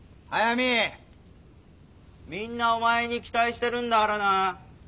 みんなおまえに期待してるんだからな！